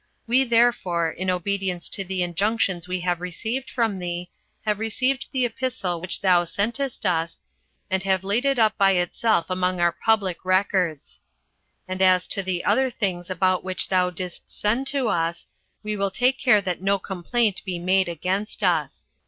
We therefore, in obedience to the injunctions we have received from thee, have received the epistle which thou sentest us, and have laid it up by itself among our public records. And as to the other things about which thou didst send to us, we will take care that no complaint be made against us."